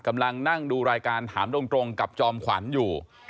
กำลังนั่งดูรายการถามตรงกับจอมขวัญอยู่